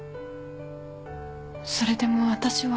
それでも私は。